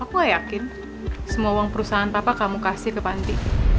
aku gak yakin semua uang perusahaan papa kamu kasih ke panti